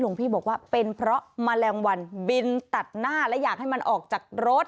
พี่บอกว่าเป็นเพราะแมลงวันบินตัดหน้าและอยากให้มันออกจากรถ